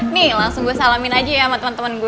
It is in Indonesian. nih langsung gue salamin aja ya sama temen temen gue